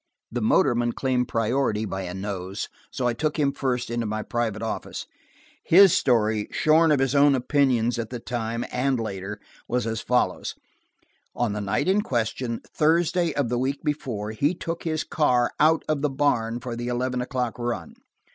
The motorman claimed priority by a nose, so I took him first into my private office. His story, shorn of his own opinions at the time and later, was as follows: On the night in question, Thursday of the week before, he took his car out of the barn for the eleven o'clock run.